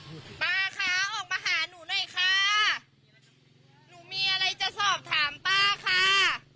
เหมาะอยากมาเน้นขาเลี่ยนอะไรจะสอบถามปาก่๊า